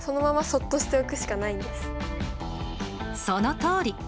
そのとおり。